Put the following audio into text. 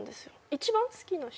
一番好きな人。